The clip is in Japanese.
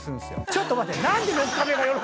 ちょっと待て。